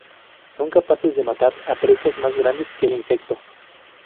Son capaces de matar a presas más grandes que el insecto.